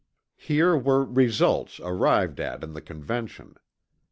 Here were "results" arrived at in the Convention.